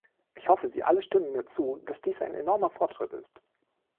Ich hoffe, Sie alle stimmen mir zu, dass dies ein enormer Fortschritt ist.